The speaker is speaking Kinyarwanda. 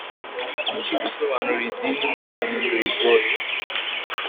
kuki gusobanura idini ry’abahindu bigoye?